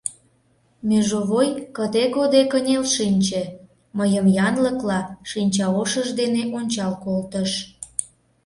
Межовой кыде-годе кынел шинче, мыйым янлыкла шинчаошыж дене ончал колтыш.